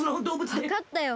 わかったよ。